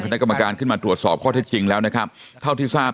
นักกรรมการขึ้นมาตรวจสอบข้อเท็จจริงแล้วนะครับเท่าที่ทราบ